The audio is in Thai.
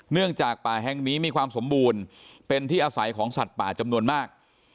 เนื่องจากป่าแห่งนี้มีความสมบูรณ์เป็นที่อาศัยของสัตว์ป่าจำนวนมาก